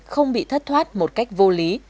không bị thất thoát một cách vô lý